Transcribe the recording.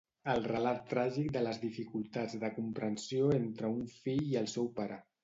El relat tràgic de les dificultats de comprensió entre un fill i el seu pare.